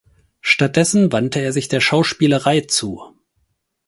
Stattdessen wandte er sich der Schauspielerei zu.